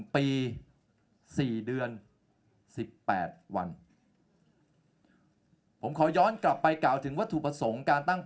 ๑ปี๔เดือน๑๘วัน